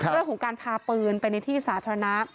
เรื่องของการพาปืนไปในที่สาธารณะ